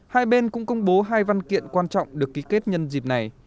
hai bên cũng công bố hai văn kiện quan trọng được ký kết nhân dịp này